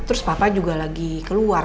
terus papa juga lagi keluar